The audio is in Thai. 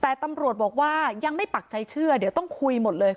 แต่ตำรวจบอกว่ายังไม่ปักใจเชื่อเดี๋ยวต้องคุยหมดเลย